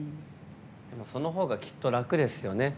でも、そのほうがきっと楽ですよね。